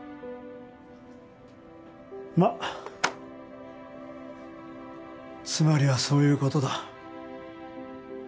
まあつまりはそういう事だ。